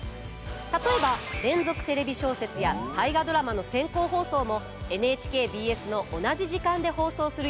例えば「連続テレビ小説」や「大河ドラマ」の先行放送もＮＨＫＢＳの同じ時間で放送する予定です。